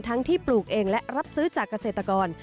ทั้งที่ปลูกเองและรับซื้อจากเกษตรกร